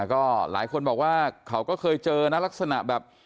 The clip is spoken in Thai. ก็หลายคนบอกว่าเขาก็เคยเจอนะลักษณะแบบ